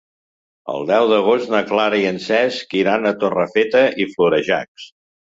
El deu d'agost na Clara i en Cesc iran a Torrefeta i Florejacs.